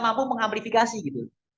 mampu mengamplifikasi gitu